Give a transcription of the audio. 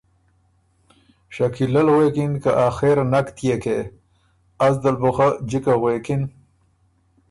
شکیله ل غوېکِن که آخر نک تيېکې از دل بُو خه جِکه غوېکِن